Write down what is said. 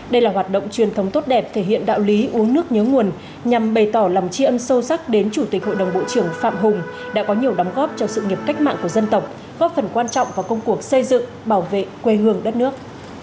đây là hoạt động truyền thống tốt đẹp thể hiện đạo lý uống nước nhớ nguồn nhằm bày tỏ lòng chi ân sâu sắc đến chủ tịch hội đồng bộ trưởng phạm hùng đã có nhiều đóng góp cho sự nghiệp cách mạng của dân tộc góp phần quan trọng vào công cuộc xây dựng bảo vệ quê hương đất nước